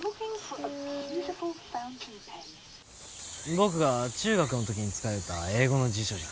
僕が中学の時に使ようった英語の辞書じゃ。